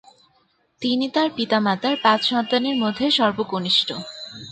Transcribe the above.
তিনি তার পিতামাতার পাঁচ সন্তানের মধ্যে সর্বকনিষ্ঠ।